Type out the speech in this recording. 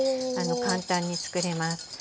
簡単につくれます。